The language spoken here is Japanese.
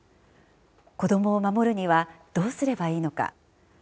子どもを守るにはどうすればいいのか。